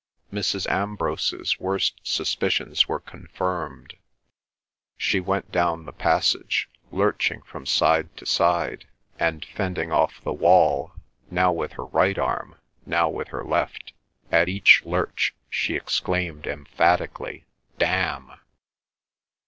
Mrs. Ambrose's worst suspicions were confirmed; she went down the passage lurching from side to side, and fending off the wall now with her right arm, now with her left; at each lurch she exclaimed emphatically, "Damn!"